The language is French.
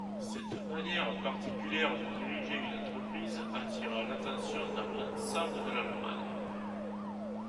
Cette manière particulière de diriger une entreprise attira l'attention dans l'ensemble de l'Allemagne.